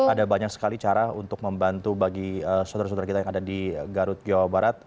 dan ini juga banyak sekali cara untuk membantu bagi saudara saudara kita yang ada di garut jawa barat